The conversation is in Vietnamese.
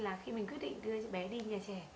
là khi mình quyết định đưa bé đi nhà trẻ